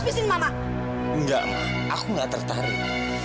dan juga ke dia